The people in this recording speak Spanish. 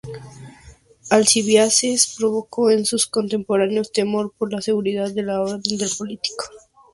Alcibíades provocó en sus contemporáneos temor por la seguridad del orden político.